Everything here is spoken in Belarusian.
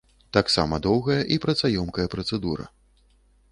Таксама доўгая і працаёмкая працэдура.